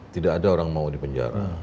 tidak ada orang mau di penjara